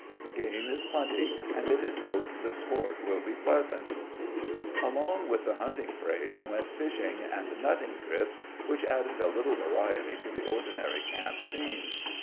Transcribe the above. The game is plenty and it is hoped the sport will be pleasant ". Along with the hunting frays went fishing and nutting trips which added a little variety to the ordinary camp scenes.